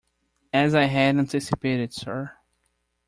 As I had anticipated, sir.